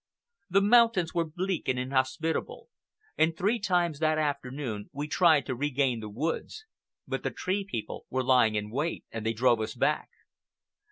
The mountains were bleak and inhospitable, and three times that afternoon we tried to regain the woods. But the Tree People were lying in wait, and they drove us back.